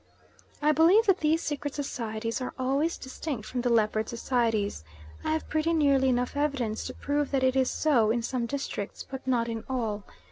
I believe that these secret societies are always distinct from the leopard societies. I have pretty nearly enough evidence to prove that it is so in some districts, but not in all.